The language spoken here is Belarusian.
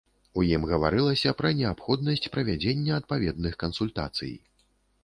У ім гаварылася пра неабходнасць правядзення адпаведных кансультацый.